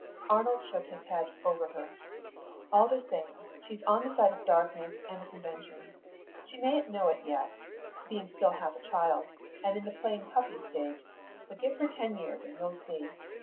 Arnold shook his head over her. "All the same, she's on the side of darkness and the conventions. She mayn't know it yet, being still half a child, and in the playing puppy stage, but give her ten years and you'll see.